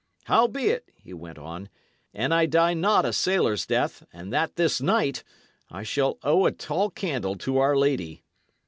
"Howbeit," he went on, "an I die not a sailor's death, and that this night, I shall owe a tall candle to our Lady."